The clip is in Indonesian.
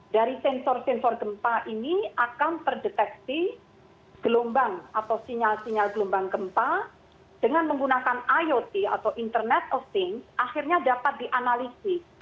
dari sensor sensor gempa ini akan terdeteksi gelombang atau sinyal sinyal gelombang gempa dengan menggunakan iot atau internet of things akhirnya dapat dianalisis